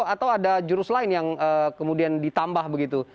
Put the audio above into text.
atau ada jurus lain yang kemudian ditambah begitu